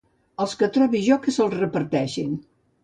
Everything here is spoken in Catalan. Els que trobi jo que se'ls reparteixin